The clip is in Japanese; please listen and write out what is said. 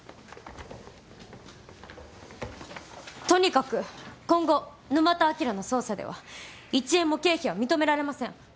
とにかく今後沼田あきらの捜査では１円も経費は認められません。